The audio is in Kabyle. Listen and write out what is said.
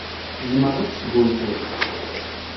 Tzemreḍ ad tesgunfuḍ.